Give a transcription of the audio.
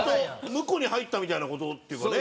婿に入ったみたいな事っていうかね